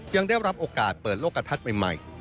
ยังได้รับโอกาสเปิดโลกกระทัดใหม่